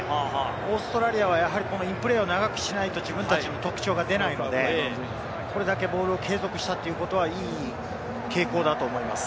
オーストラリアは、やはりインプレーを長くしないと自分たちの特徴が出ないので、これだけボールを継続したということはいい傾向だと思います。